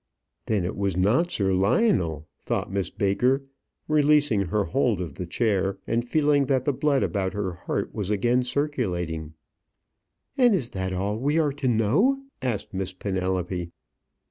Then it was not Sir Lionel, thought Miss Baker, releasing her hold of the chair, and feeling that the blood about her heart was again circulating. "And is that all that we are to know?" asked Miss Penelope.